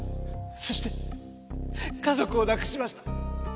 そして家族を亡くしました。